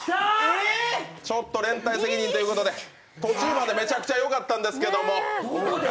ちょっと連帯責任ということで、途中までめちゃくちゃよかったんですけども。